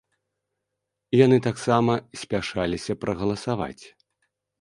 Яны таксама спяшаліся прагаласаваць.